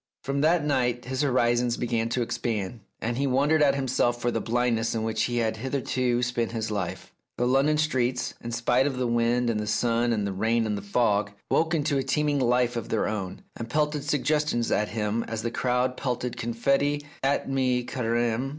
From that night his horizons began to expand, and he wondered at himself for the blindness in which he had hitherto spent his life. The London streets, in spite of the wind and the sun and the rain and the fog, woke into a teeming life of their own, and pelted suggestions at him as the crowd pelted confetti at mi careme.